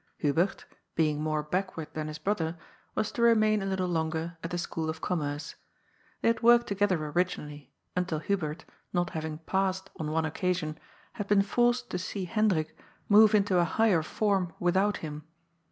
Hubert, being more back ward than his brother, was to remain a little longer at the School of Commerce. They had worked together originally until Hubert, not having *^ passed " on one occasion, had been forced to see Hendrik move into a higher form with out him.